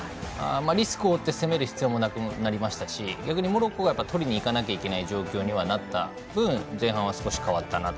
リスクを負って攻める必要もなくなりましたし逆にモロッコがとりにいかなきゃいけない状況になった分前半は少し変わったなと。